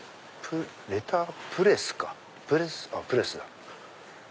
レタープレスかプレスだ。